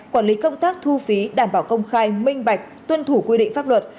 quản lý công tác thu phí đảm bảo công khai minh bạch tuân thủ quy định pháp luật